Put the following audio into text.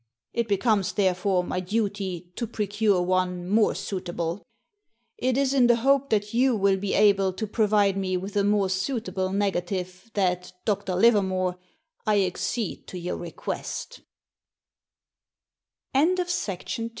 It becomes, therefore, my duty to procure one more suitable. It is in the hope that you will be able to provide me with a more suitable negative that, Dr. Livermore, I accede t